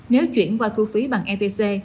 nếu chuyển qua thu phí bằng etc